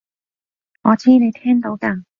我知你聽到㗎